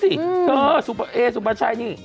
เธอดูนี่สิเอ๊สุปชัยนี่